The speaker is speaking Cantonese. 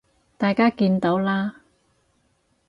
大家見到啦